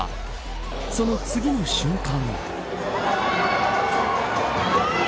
その次の瞬間。